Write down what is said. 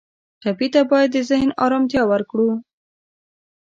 ټپي ته باید د ذهن آرامتیا ورکړو.